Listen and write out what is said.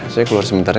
saya keluar sebentar ya